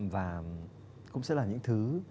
và cũng sẽ là những thứ